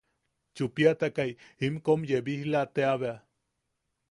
Chupiatakai in kom yabisla tea bea.